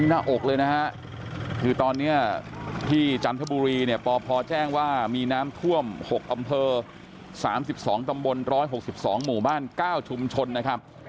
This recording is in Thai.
หน้าอกเลยนะฮะคือตอนนี้ที่จันทบุรีเนี่ยปพแจ้งว่ามีน้ำท่วม๖อำเภอ๓๒ตำบล๑๖๒หมู่บ้าน๙ชุมชนนะครับ